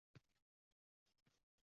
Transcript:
U ketar – ko’zida bedor uqubat